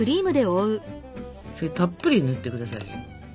それたっぷりぬって下さいよ。